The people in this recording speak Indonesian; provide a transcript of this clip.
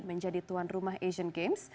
menjadi tuan rumah asian games